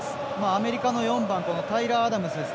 アメリカの４番タイラー・アダムズ。